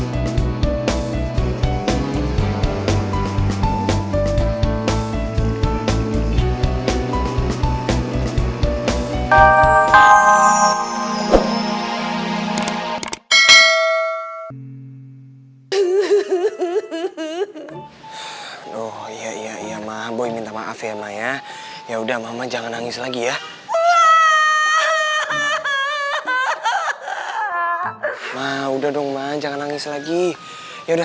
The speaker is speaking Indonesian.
sampai jumpa di video selanjutnya